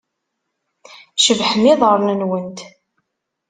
Cebḥen yiḍarren-nwent.